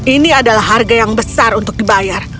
ini adalah harga yang besar untuk dibayar